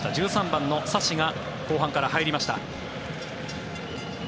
１３番のサシが後半から入りました。